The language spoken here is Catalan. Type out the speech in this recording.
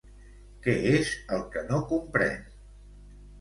Què és el que no comprèn?